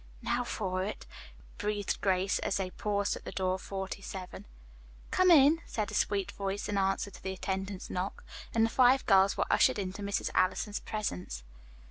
"Now for it," breathed Grace, as they paused at the door of 47. "Come in," said a sweet voice, in answer to the attendant's knock, and the five girls were ushered into Mrs. Allison's presence.